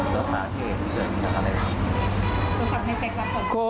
แล้วสาเหตุที่เกิดมีกับอะไรครับ